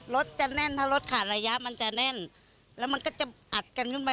รถจะแน่นถ้ารถขาดระยะมันจะแน่นแล้วมันก็จะอัดกันขึ้นมา